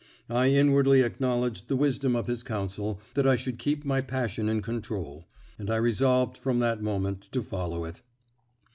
I inwardly acknowledged the wisdom of his counsel that I should keep my passion in control, and I resolved from that moment to follow it.